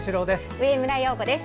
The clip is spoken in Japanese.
上村陽子です。